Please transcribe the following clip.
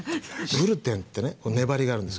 グルテンってね粘りがあるんですけどね